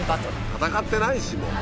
戦ってないしもう。